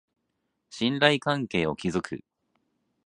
信頼関係を築く